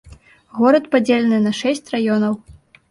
Горад падзелены на шэсць раёнаў.